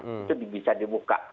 itu bisa dibuka